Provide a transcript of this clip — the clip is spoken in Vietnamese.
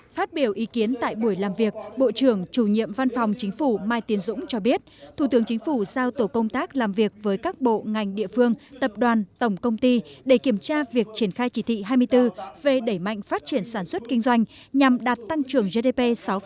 phát biểu ý kiến tại buổi làm việc bộ trưởng chủ nhiệm văn phòng chính phủ mai tiến dũng cho biết thủ tướng chính phủ giao tổ công tác làm việc với các bộ ngành địa phương tập đoàn tổng công ty để kiểm tra việc triển khai chỉ thị hai mươi bốn về đẩy mạnh phát triển sản xuất kinh doanh nhằm đạt tăng trưởng gdp sáu năm